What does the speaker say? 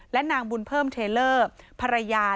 และนางบุญเพิ่มเทเลอร์ภรรยา